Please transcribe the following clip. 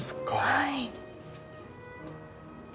はい。